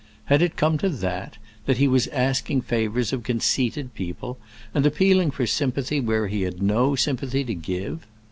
Had it come to that—that he was asking favors of conceited people, and appealing for sympathy where he had no sympathy to give?